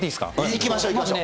いきましょう、いきましょう。